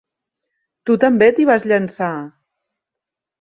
Tu també t'hi vas llançar!